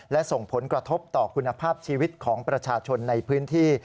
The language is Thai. และส่งผลกระทบต่อคุณภาพชีวิตของประชาชนในพื้นที่